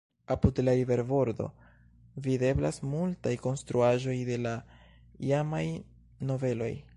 Apud la riverbordo videblas multaj konstruaĵoj de la iamaj nobeloj.